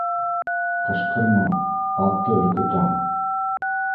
Ҡышҡырма... атты өркөтәң!